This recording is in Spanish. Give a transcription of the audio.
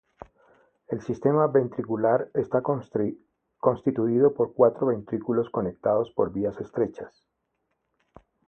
El sistema ventricular está constituido por cuatro ventrículos conectados por vías estrechas.